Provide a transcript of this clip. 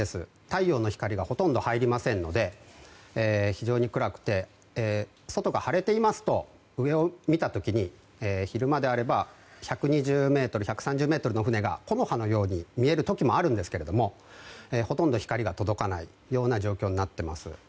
太陽の光がほとんど入りませんので非常に暗くて外が晴れていますと上を見た時に、昼間であれば１２０ｍ、１３０ｍの船が木の葉のように見える時もあるんですけれどもほとんど光が届かないような状況になってます。